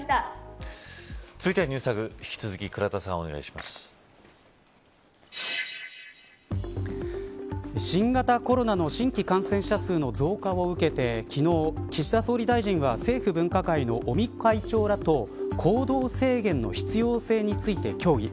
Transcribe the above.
続いてはＮｅｗｓＴａｇ新型コロナの新規感染者数の増加を受けて昨日、岸田総理大臣は政府分科会の尾身会長らと行動制限の必要性について協議。